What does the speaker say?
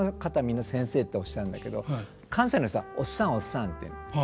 みんな「先生」っておっしゃるんだけど関西の人は「おっさんおっさん」って。